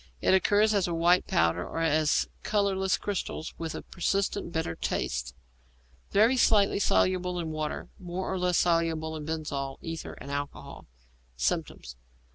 It occurs as a white powder or as colourless crystals, with a persistent bitter taste; very slightly soluble in water; more or less soluble in benzol, ether, and alcohol. _Symptoms.